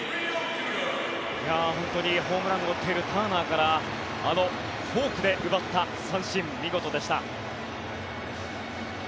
本当にホームランを打っているターナーからあのフォークで奪った三振見事でした。